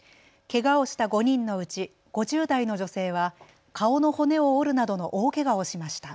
けがをした５人のうち５０代の女性は顔の骨を折るなどの大けがをしました。